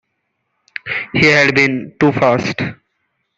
He had been too fast.